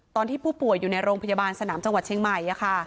ตอนที่ผู้ป่วยอยู่ในโรงพยาบาลสนามจังหวัดเชียงใหม่